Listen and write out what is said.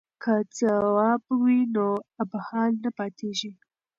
که ځواب وي نو ابهام نه پاتیږي.